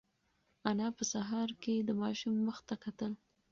انا په سهار کې د ماشوم مخ ته کتل.